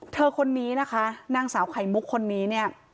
เธอคนนี้นะคะนางสาวไข่มุกคนนี้เนี่ย